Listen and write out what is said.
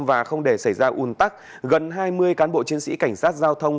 và không để xảy ra un tắc gần hai mươi cán bộ chiến sĩ cảnh sát giao thông